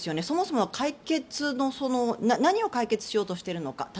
そもそもが何を解決しようとしているのか。